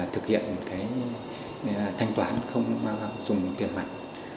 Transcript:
thực hiện thanh toán không dùng tiền mặt